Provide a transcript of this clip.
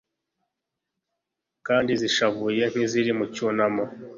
kandi zishavuye nk'iziri mu cyunamo